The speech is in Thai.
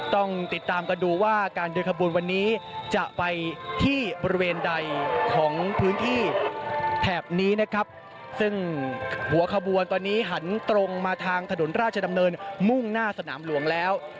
ต้องติดตามกันดูว่าการเดินขบวนวันนี้จะไปที่บริเวณใดของพื้นที่แถบนี้นะครับซึ่งหัวขบวนตอนนี้หันตรงมาทางถนนราชดำเนินมุ่งหน้าสนามหลวงแล้ว